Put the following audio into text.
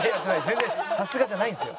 全然「さすが」じゃないんですよ。